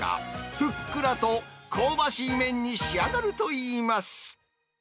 ふっくらと香ばしい麺に仕上がるといいます。